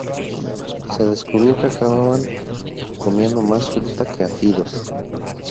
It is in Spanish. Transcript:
Se descubrió que acababan comiendo más fruta que áfidos.